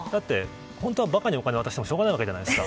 本当は馬鹿にお金を渡してもしょうがないわけじゃないですか。